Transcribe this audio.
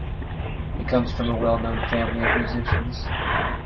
He comes from a well-known family of musicians.